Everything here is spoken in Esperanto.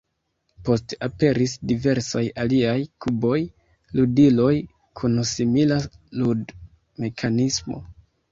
Poste aperis diversaj aliaj kuboj, ludiloj kun simila lud-mekanismo.